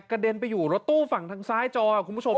เด็นไปอยู่รถตู้ฝั่งทางซ้ายจอคุณผู้ชม